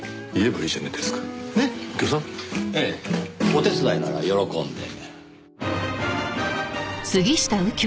お手伝いなら喜んで。